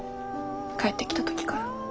帰ってきた時から。